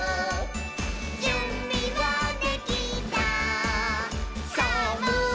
「じゅんびはできたさぁもういちど」